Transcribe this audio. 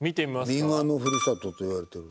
「民話のふるさと」といわれている。